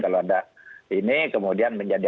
kalau ada ini kemudian menjadi